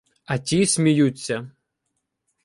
А ті сміються.